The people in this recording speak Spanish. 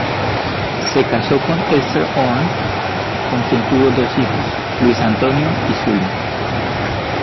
Se casó con Esther Horn con quien tuvo dos hijos: Luis Antonio y Zulma.